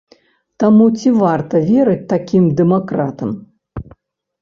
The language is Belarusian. Таму ці варта верыць такім дэмакратам?